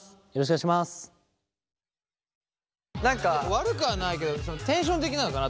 悪くはないけどテンション的なのかなと思った俺。